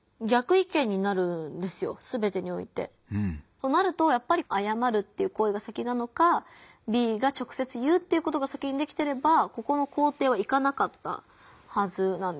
そうなるとやっぱり「謝る」という行為が先なのかＢが直接言うっていうことが先にできてればここの工程はいかなかったはずなんです。